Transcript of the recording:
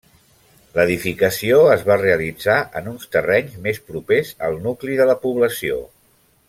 L'edificació es va realitzar en uns terrenys més propers al nucli de la població.